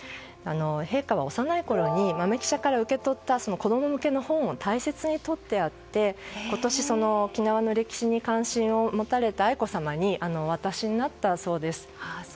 陛下は、幼いころに豆記者から受け取った子供向けの本を大切にとってあって今年沖縄の歴史に関心を持たれた愛子さまにお渡しになったそうです。